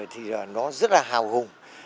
thì nó rất là hào hùng